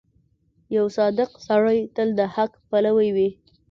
• یو صادق سړی تل د حق پلوی وي.